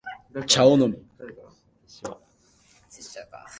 お茶を飲む